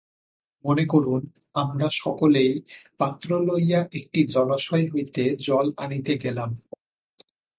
মনে করুন, আমরা সকলেই পাত্র লইয়া একটি জলাশয় হইতে জল আনিতে গেলাম।